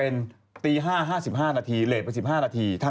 เยอะ